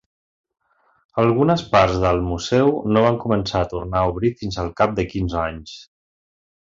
Algunes parts del museu no van començar a tornar a obrir fins al cap de quinze anys.